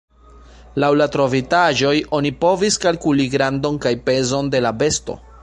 Laŭ la trovitaĵoj oni povis kalkuli grandon kaj pezon de la besto.